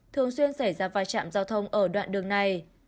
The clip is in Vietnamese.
thường xuyên xảy ra vai trạm giao thông ở đoạn đường này